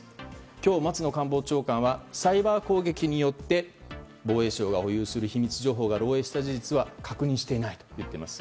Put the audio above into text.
今日、松野官房長官はサイバー攻撃によって防衛省が保有する秘密情報が漏洩した事実は確認していないと言っています。